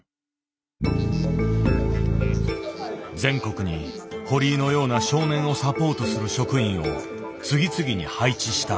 全国に堀井のような少年をサポートする職員を次々に配置した。